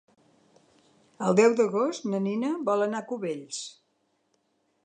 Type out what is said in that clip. El deu d'agost na Nina vol anar a Cubells.